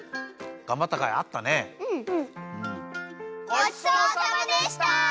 ごちそうさまでした！